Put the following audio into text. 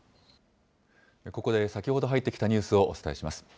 ここで先ほど入ってきたニュースをお伝えします。